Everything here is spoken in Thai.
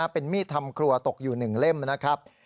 เป็นมีดทำครัวตกอยู่๑เล่มนะครับ